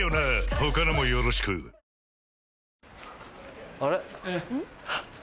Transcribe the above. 他のもよろしくあれ？